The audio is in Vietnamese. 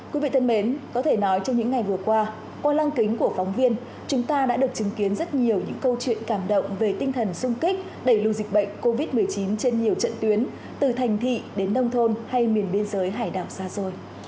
quý vị thân mến có thể nói trong những ngày vừa qua qua lăng kính của phóng viên chúng ta đã được chứng kiến rất nhiều những câu chuyện cảm động về tinh thần sung kích đẩy lùi dịch bệnh covid một mươi chín trên nhiều trận tuyến từ thành thị đến nông thôn hay miền biên giới hải đảo xa xôi